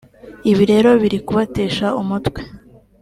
Ibi rero biri kubatesha umutwe